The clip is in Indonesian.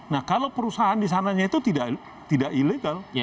nah kalau perusahaan di sananya itu tidak ilegal